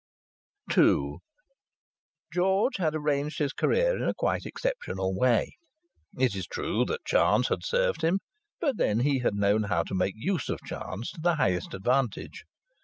II George had arranged his career in a quite exceptional way. It is true that chance had served him; but then he had known how to make use of chance to the highest advantage.